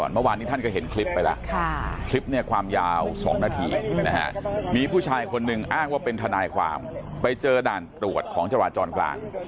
ไม่ยอมแล้วมีผู้ชายคนหนึ่งอ้างว่าเป็นถ่านายความไปเจอด่านตรวจของจะวาจรกลาง